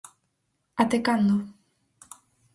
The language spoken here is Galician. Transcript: Até cando?